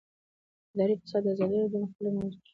اداري فساد د ازادي راډیو د مقالو کلیدي موضوع پاتې شوی.